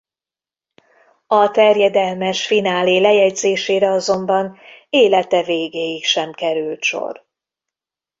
A terjedelmes finálé lejegyzésére azonban élete végéig sem került sor.